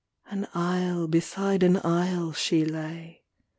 An isle beside an isle she lay.